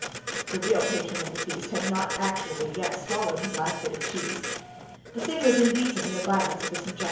The real patron of the feast had actually not yet swallowed his last bit of cheese. The thing was indecent in the violence of its injustice.